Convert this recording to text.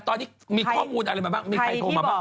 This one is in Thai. ตอนนี้มีข้อมูลอะไรมาบ้างมีใครโทรมาบ้าง